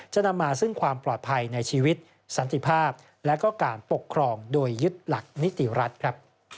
จะนำมาซึ่งความปลอดภัยในชีวิตสันติภาพและก็การปกครองโดยยึดหลักนิติรัฐครับ